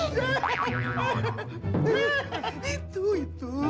siapa yang ketut